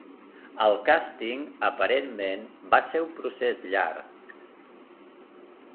El càsting aparentment va ser un procés llarg.